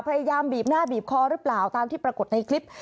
พยายามบีบหน้าบีบคอหรือเปล่าตามที่ปรากฏในคลิป